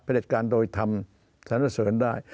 เด็จการโดยธรรมสถานเสริญได้